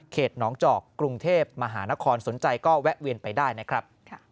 น้องจอกกรุงเทพมหานครสนใจก็แวะเวียนไปได้นะครับ